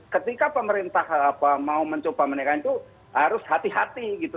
ketika pemerintah mau mencoba menaikkan itu harus hati hati gitu